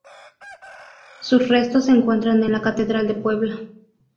Sus restos se encuentran en la catedral de Puebla.